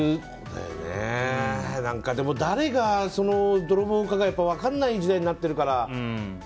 誰が泥棒か分かんない時代になってるから。